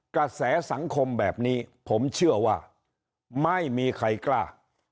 กระแสสังคมแบบนี้ผมเชื่อว่าไม่มีใครกล้า